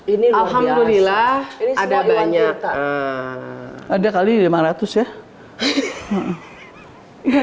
ini alhamdulillah ada banyak ada kali lima ratus ya